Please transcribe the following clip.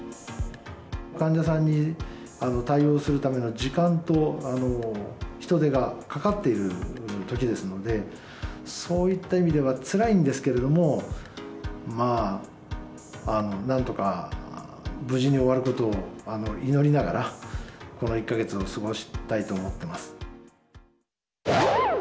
患者さんに対応するための時間と人手がかかっているときですので、そういった意味ではつらいんですけれども、まあ、なんとか、無事に終わることを祈りながら、この１か月を過ごしたいと思ってます。